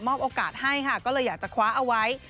โอกาสให้ค่ะก็เลยอยากจะคว้าเอาไว้